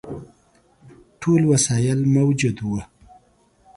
ټول وسایل موجود وه.